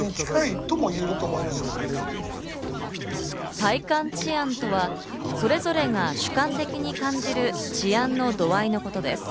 体感治安とはそれぞれが主観的に感じる治安の度合いのことです。